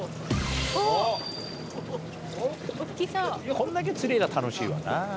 こんだけ釣れりゃ楽しいわな。